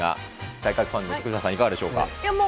体格ブラザーズファンの徳島さん、いかがでしょうか？